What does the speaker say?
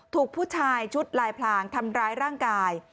ถูกผู้ชายชุดลายพลางทำร้ายร่างกาย